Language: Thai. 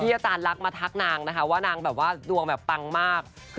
พี่อาจารย์รักมาทักนางว่านางดวงปังมาก